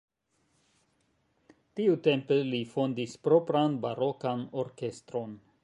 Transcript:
Tiutempe li fondis propran barokan orkestron.